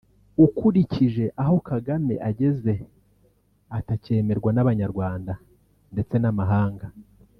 ukurikije aho Kagame ageze atacyemerwa n’abanyarwanda ndetse n’amahanga